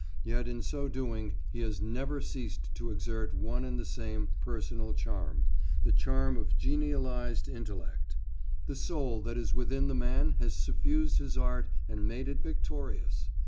Yet in so doing he has never ceased to exert one and the same personal charm, the charm of genialised intellect. The soul that is within the man has suffused his art and made it victorious.